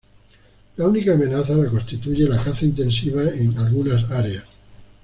La única amenaza la constituye la caza intensiva en algunas áreas.